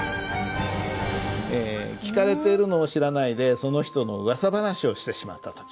聞かれているのを知らないでその人の噂話をしてしまった時。